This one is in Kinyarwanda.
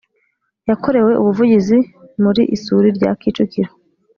yakorewe ubuvugizi muri isuri rya kicukiro.